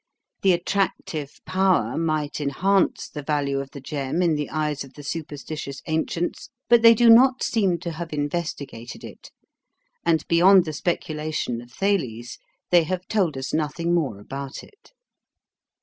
The attractive power might enhance the value of the gem in the eyes of the superstitious ancients, but they do not seem to have investigated it, and beyond the speculation of Thales, they have told us nothing more about it.